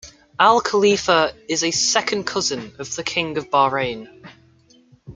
Al Khalifa is a second cousin of the King of Bahrain.